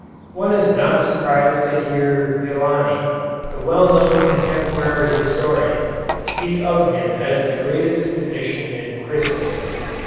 One is not surprised to hear Villani, the well known contemporary historian, speak of him as the greatest physician in Christendom.